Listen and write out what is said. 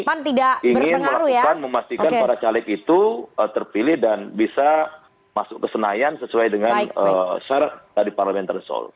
artinya kami ingin memastikan para caleg itu terpilih dan bisa masuk kesenayan sesuai dengan syarat dari parlementar soul